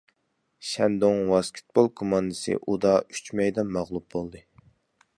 شەندۇڭ ۋاسكېتبول كوماندىسى ئۇدا ئۈچ مەيدان مەغلۇپ بولدى.